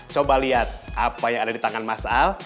coba lihat apa yang ada di tangan mas al